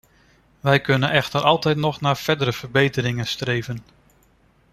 We kunnen echter altijd nog naar verdere verbeteringen streven.